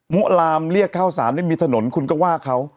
ุลามเรียกข้าวสารไม่มีถนนคุณก็ว่าเขา